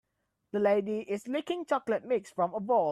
The lady is licking chocolate mix from a bowl.